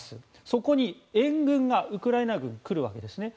そこに援軍がウクライナ軍、来るわけですね。